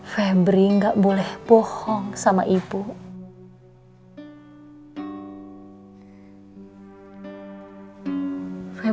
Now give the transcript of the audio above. kalau ada ketemu sugandhan kemaren bisa pene